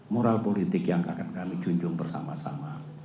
moral politik yang akan kami junjung bersama sama